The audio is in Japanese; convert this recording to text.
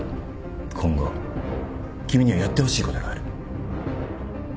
今後君にはやってほしいことがある。